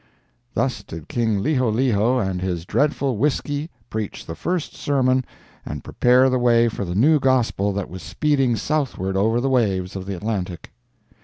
Thus did King Liholiho and his dreadful whisky preach the first sermon and prepare the way for the new gospel that was speeding southward over the waves of the Atlantic.